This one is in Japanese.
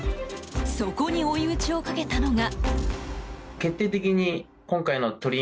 そこに追い打ちをかけたのが。